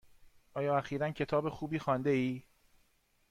آیا اخیرا کتاب خوبی خوانده ای؟